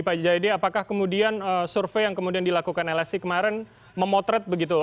pak jayadi apakah kemudian survei yang kemudian dilakukan lsi kemarin memotret begitu